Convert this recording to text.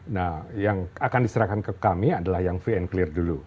nah yang akan diserahkan ke kami adalah yang free and clear dulu